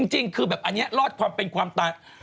จริงคือแบบอันนี้รอดความเป็นความตาย